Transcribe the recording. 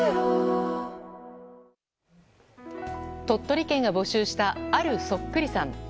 鳥取県が募集したあるそっくりさん。